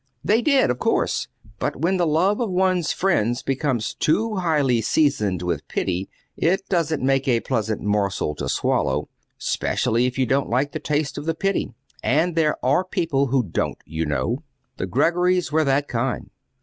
"They did, of course; but when the love of one's friends becomes too highly seasoned with pity, it doesn't make a pleasant morsel to swallow, specially if you don't like the taste of the pity and there are people who don't, you know. The Greggorys were that kind.